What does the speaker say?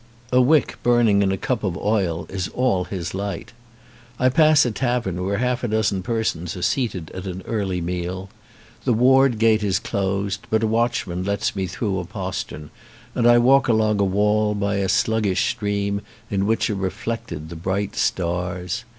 A wick burning in a cup of oil is all his light. I pass a tavern where half a dozen persons are seated at an early meal. The ward gate is closed, but a watchman lets me through a postern and I walk along a wall by a sluggish stream in which are reflected the bright stars.